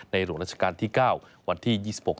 ในหลวงรัชกาลที่๙วันที่๒๖ตุลาคมนี้